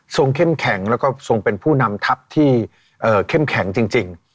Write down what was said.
เข้มแข็งแล้วก็ทรงเป็นผู้นำทัพที่เข้มแข็งจริง